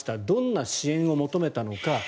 どんな支援を求めたのか。